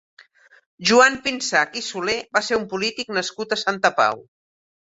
Joan Pinsach i Solé va ser un polític nascut a Santa Pau.